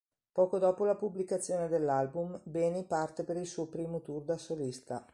Poco dopo la pubblicazione dell'album, Beni parte per il suo primo tour da solista.